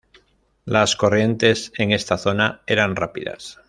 Las corrientes en esta zona eran rápidas.